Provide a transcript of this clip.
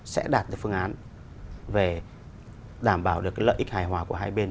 sẽ đạt được phương án về đảm bảo được cái lợi ích hài hòa của hai bên